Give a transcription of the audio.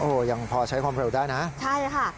ยังพอใช้ความเร็วได้นะใช่ค่ะ